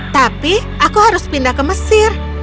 tapi aku harus pindah ke mesir